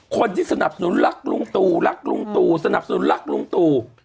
คนที่สนับสนุนรักลุงตู่รักลุงตู่สนับสนุนรักลุงตู่